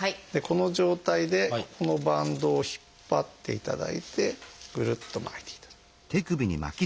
この状態でこのバンドを引っ張っていただいてぐるっと巻いていただく。